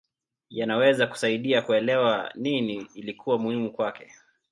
Yanaweza kusaidia kuelewa nini ilikuwa muhimu kwake.